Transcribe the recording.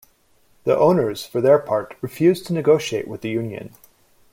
The owners, for their part, refused to negotiate with the union.